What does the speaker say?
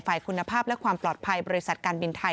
ฝ่ายคุณภาพและความปลอดภัยบริษัทการบินไทย